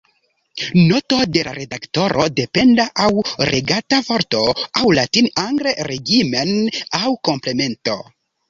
Noto de la redaktoro: Dependa aŭ regata vorto aŭ latin-angle regimen aŭ komplemento.